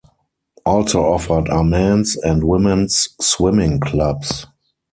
Also offered are men's and women's swimming clubs.